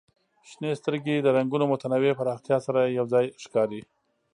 شنې سترګې د رنګونو متنوع پراختیا سره یو ځای ښکاري.